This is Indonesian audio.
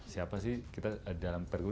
siapa sih dalam per group